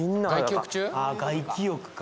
外気浴中？